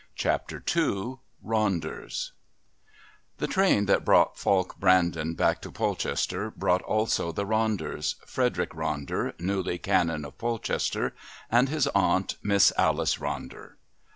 Chapter II Ronders The train that brought Falk Brandon back to Polchester brought also the Ronders Frederick Ronder, newly Canon of Polchester, and his aunt, Miss Alice Ronder.